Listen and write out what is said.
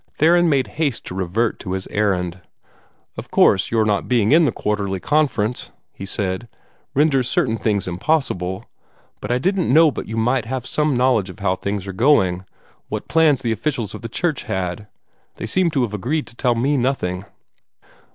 Theron made haste to revert to his errand. "Of course, your not being in the Quarterly Conference," he said, "renders certain things impossible. But I didn't know but you might have some knowledge of how matters are going, what plans the officials of the church had; they seem to have agreed to tell me nothing."